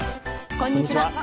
こんにちは。